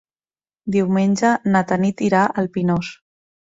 Diumenge na Tanit irà al Pinós.